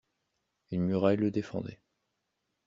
Une muraille le défendait.